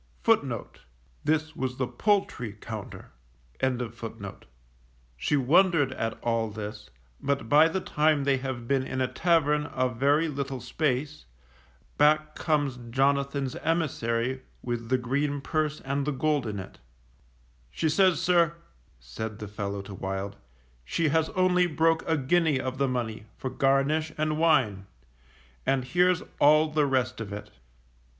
She wondered at all this, but by the time they have been in a tavern a very little space, back comes Jonathan's emissary with the green purse and the gold in it. She says, sir, said the fellow to Wild _she has only broke a guinea of the money for garnish and wine, and here's all the rest of it.